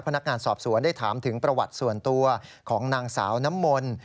พนักงานสอบสวนได้ถามถึงประวัติส่วนตัวของนางสาวน้ำมนต์